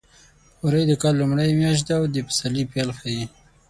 وری د کال لومړۍ میاشت ده او د پسرلي پیل ښيي.